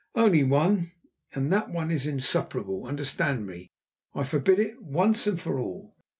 "Only one, and that one is insuperable! Understand me, I forbid it once and for all!